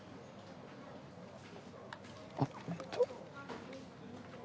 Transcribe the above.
あっえっと。